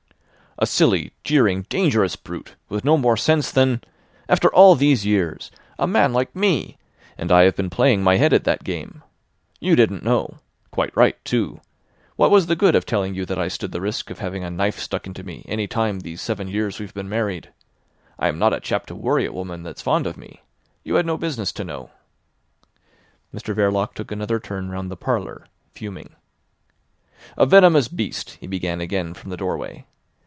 "A silly, jeering, dangerous brute, with no more sense than—After all these years! A man like me! And I have been playing my head at that game. You didn't know. Quite right, too. What was the good of telling you that I stood the risk of having a knife stuck into me any time these seven years we've been married? I am not a chap to worry a woman that's fond of me. You had no business to know." Mr Verloc took another turn round the parlour, fuming. "A venomous beast," he began again from the doorway.